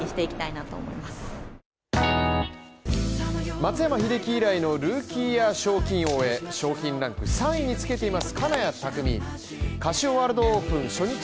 松山英樹以来のルーキーイヤー賞金王へ賞金ランク３位につけています